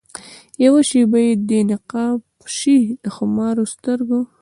یوه شېبه چي دي نقاب سي د خمارو سترګو